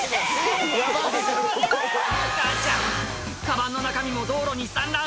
あちゃカバンの中身も道路に散乱